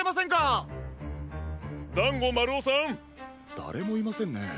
だれもいませんね。